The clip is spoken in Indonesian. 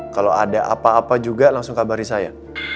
kalau ada apa apa juga langsung kabari saya